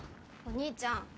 お兄ちゃん。